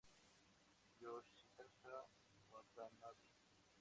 Yoshitaka Watanabe